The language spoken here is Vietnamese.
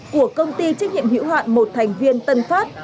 của công ty trách nhiệm hiệu hoạn một thành viên tân pháp